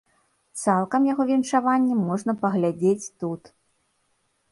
Цалкам яго віншаванне можна паглядзець тут.